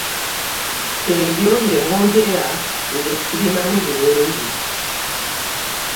Ebyo bye mwogera nze ssibimanyi bulungi.